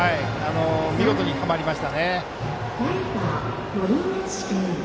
見事にはまりましたね。